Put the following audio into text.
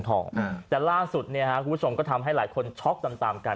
แต่ล่าสุดเนี่ยฮะคุณผู้ชมก็ทำให้หลายคนช็อกตามตามกัน